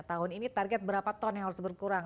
tahun ini target berapa ton yang harus berkurang